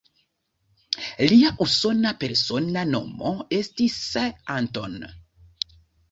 Lia usona persona nomo estis "Anton".